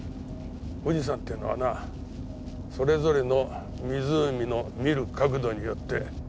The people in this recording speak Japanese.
富士山っていうのはなそれぞれの湖の見る角度によって景観が違うはずなんだ。